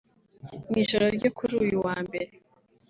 Mu ijoro ryo kuri uyu wa Mbere